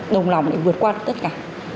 đồng lòng để vượt qua được tất cả